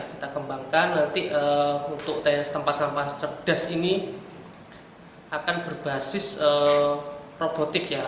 kita kembangkan nanti untuk tempat sampah cerdas ini akan berbasis robotik ya